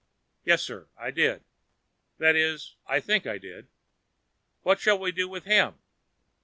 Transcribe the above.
"Yes sir, I did. That is, I think I did. What shall we do with him?"